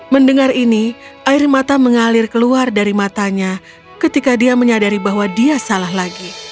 mendengar ini air mata mengalir keluar dari matanya ketika dia menyadari bahwa dia salah lagi